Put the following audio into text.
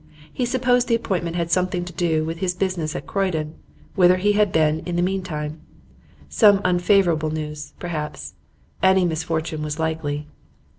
He supposed the appointment had something to do with his business at Croydon, whither he had been in the mean time. Some unfavourable news, perhaps; any misfortune was likely.